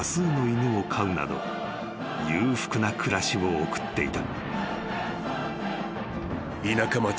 ［裕福な暮らしを送っていた］